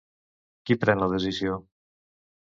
Qui pren la decisió?